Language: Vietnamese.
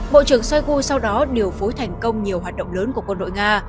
bộ trưởng shoigu sau đó điều phối thành công nhiều hoạt động lớn của quân đội nga